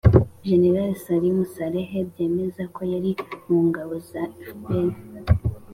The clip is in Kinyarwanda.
jenerali salim saleh, byemeza ko yari mu ngabo za fpr.